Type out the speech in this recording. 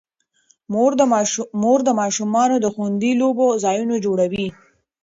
مور د ماشومانو د خوندي لوبو ځایونه جوړوي.